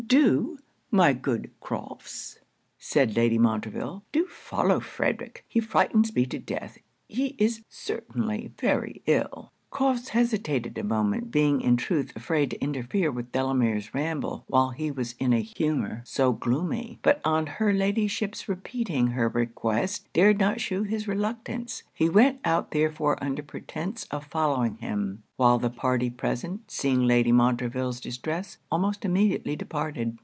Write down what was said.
'Do, my good Crofts,' said Lady Montreville 'do follow Frederic he frightens me to death he is certainly very ill.' Crofts hesitated a moment, being in truth afraid to interfere with Delamere's ramble while he was in a humour so gloomy; but on her Ladyship's repeating her request, dared not shew his reluctance. He went out therefore under pretence of following him; while the party present, seeing Lady Montreville's distress, almost immediately departed.